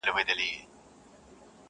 دادی وګوره صاحب د لوی نښان یم ,